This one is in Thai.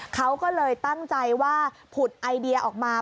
เขาก็เลยตั้งใจว่าผุดไอเดียออกมา